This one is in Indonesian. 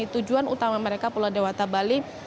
tujuan utama mereka pulau dewata bali